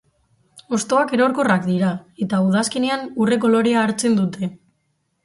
Hostoak erorkorrak dira, eta udazkenean urre kolorea hartzen dute.